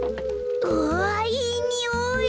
うわいいにおい。